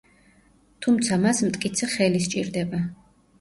თუმცა მას მტკიცე ხელი სჭირდება.